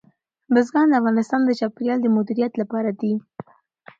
بزګان د افغانستان د چاپیریال د مدیریت لپاره دي.